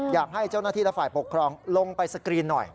อยากให้เจ้าหน้าที่และฝ่ายปกครองลงไปสกรีนหน่อย